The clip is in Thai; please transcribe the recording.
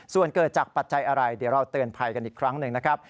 ส่วนเกิดจากปัจจัยอะไรเดี๋ยวเราเตือนภัยกันอีกครั้งหนึ่งนะครับ